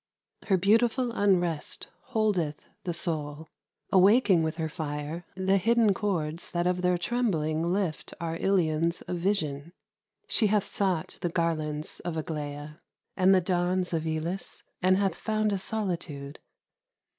Her beautiful unrest Holdeth the soul, awaking with her fire The hidden chords that of their trembling lift Our Ilions of vision. She hath sought The garlands of Aglaia, and the dawns Of Elis, and hath found a solitude.